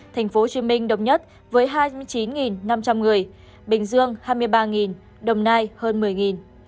thành phố hồ chí minh đồng nhất với hai mươi chín năm trăm linh người bình dương hai mươi ba đồng nai hơn một mươi